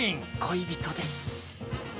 恋人です。